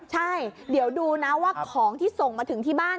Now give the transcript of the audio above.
ใช่เดี๋ยวดูนะว่าของที่ส่งมาถึงที่บ้าน